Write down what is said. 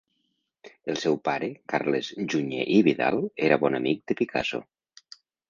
El seu pare, Carles Junyer i Vidal, era bon amic de Picasso.